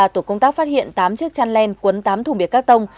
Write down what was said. là tổ công tác phát hiện tám chiếc chăn len cuốn tám thùng bia cắt tông